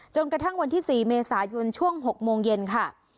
กระทั่งวันที่๔เมษายนช่วง๖โมงเย็นค่ะ